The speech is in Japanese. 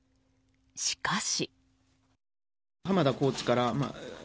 しかし。